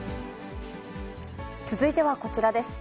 続いてはこちらです。